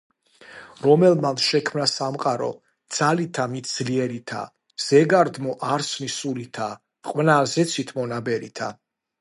რომელმან შექმნა სამყარო ძალითა მით ძლიერითა, ზეგარდმოთ არსნი სულითა ყვნა ზეცით მონაბერითა,